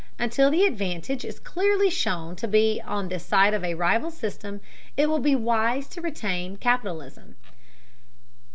Until the advantage is clearly shown to be on the side of a rival system, it will be wise to retain capitalism.